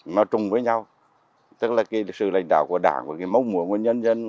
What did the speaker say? nó trung với nhau tức là sự lãnh đạo của đảng và mốc mũa của nhân dân